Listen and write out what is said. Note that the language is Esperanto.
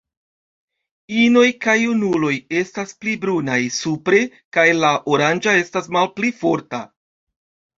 Inoj kaj junuloj estas pli brunaj supre kaj la oranĝa estas malpli forta.